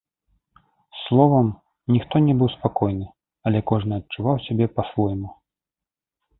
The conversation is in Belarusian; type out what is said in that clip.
Словам, ніхто не быў спакойны, але кожны адчуваў сябе па-свойму.